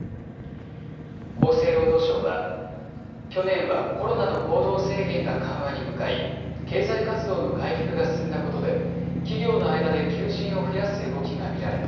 厚生労働省は去年はコロナの行動制限が緩和に向かい経済活動の回復が進んだことで企業の間で求人を増やす動きが見られた。